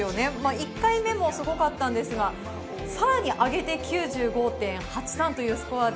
１回目もすごかったんですが、さらに上げて９５．８３というスコアで、